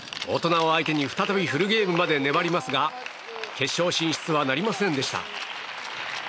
大人を相手に再びフルゲームまで粘りますが決勝進出はなりませんでした。